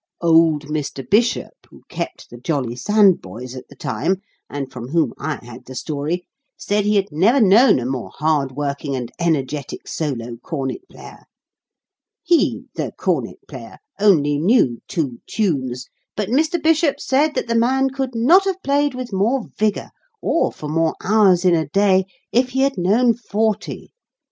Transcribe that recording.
Old Mr. Bishop, who kept the 'Jolly Sand Boys' at the time, and from whom I had the story, said he had never known a more hard working and energetic solo cornet player. He, the cornet player, only knew two tunes, but Mr. Bishop said that the man could not have played with more vigour, or for more hours in a day, if he had known forty.